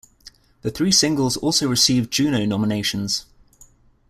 The three singles also received Juno nominations.